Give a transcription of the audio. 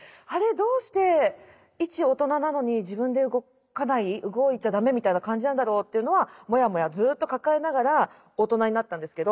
どうして一大人なのに自分で動かない動いちゃ駄目みたいな感じなんだろうというのはモヤモヤずっと抱えながら大人になったんですけど。